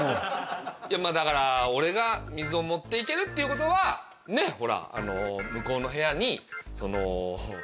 いやだから俺が水を持って行けるっていうことはねっほら向こうの部屋にその。